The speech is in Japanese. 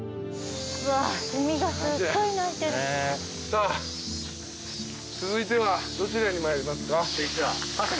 さあ続いてはどちらに参りますか？